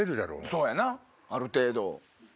そうやなある程度。